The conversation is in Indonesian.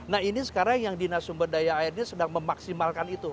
nah ini sekarang yang dinas sumber daya airnya sedang memaksimalkan itu